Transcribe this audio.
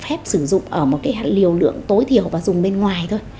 phép sử dụng ở một cái liều lượng tối thiểu và dùng bên ngoài thôi